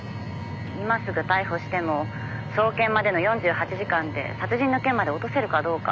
「今すぐ逮捕しても送検までの４８時間で殺人の件まで落とせるかどうか」